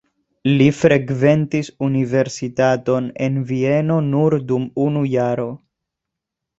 Li frekventis universitaton en Vieno nur dum unu jaro.